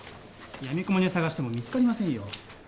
やみくもに探しても見つかりませんよ。